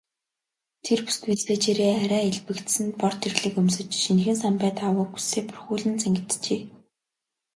Тэр бүсгүй цээжээрээ арай элбэгдсэн бор тэрлэг өмсөж, шинэхэн самбай даавууг үсээ бүрхүүлэн зангиджээ.